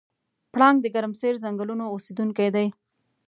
پړانګ د ګرمسیر ځنګلونو اوسېدونکی دی.